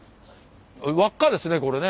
輪っかですねこれね。